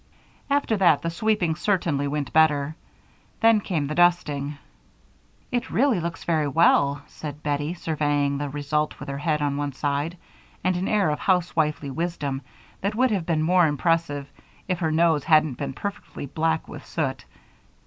After that the sweeping certainly went better. Then came the dusting. "It really looks very well," said Bettie, surveying the result with her head on one side and an air of housewifely wisdom that would have been more impressive if her nose hadn't been perfectly black with soot.